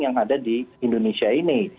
yang ada di indonesia ini